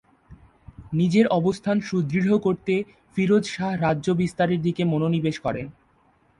নিজের অবস্থান সুদৃঢ় করতে ফিরোজ শাহ রাজ্য বিস্তারের দিকে মনোনিবেশ করেন।